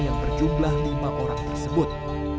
yang berjumlah lima orang tersebut